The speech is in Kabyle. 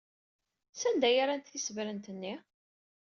Sanda ay rrant tisebrent-nni?